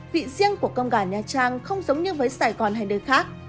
vị riêng của con gà nha trang không giống như với sài gòn hay nơi khác